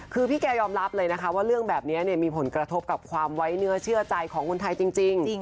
คือพี่แกยอมรับเลยนะคะว่าเรื่องแบบนี้มีผลกระทบกับความไว้เนื้อเชื่อใจของคนไทยจริง